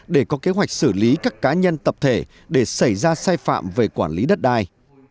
để có kế hoạch xử lý các cá nhân tập thể để xảy ra sai phạm về quản lý đất đai